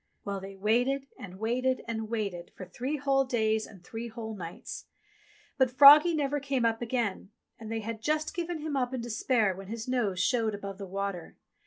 Well, they waited, and waited, and waited for three whole days and three whole nights ; but froggie never came up again, and they had just given him up in despair when his nose showed above the water.